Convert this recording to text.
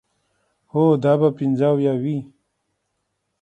هو، دا به پنځه اویا وي.